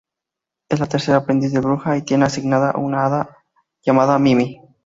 Es la tercera aprendiz de bruja y tiene asignada una hada llamada Mimi.